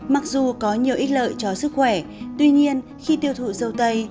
mặc dù có nhiều ít lợi cho sức khỏe tuy nhiên khi tiêu thụ dâu tây